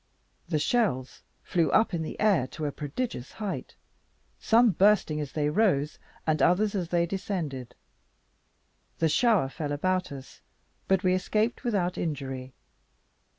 The shells flew up in the air to a prodigious height, some bursting as they rose, and others as they descended. The shower fell about us, but we escaped without injury.